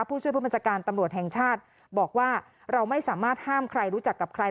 ผู้ช่วยผู้บัญชาการตำรวจแห่งชาติบอกว่าเราไม่สามารถห้ามใครรู้จักกับใคร